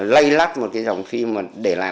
lây lắt một cái dòng phim mà để lại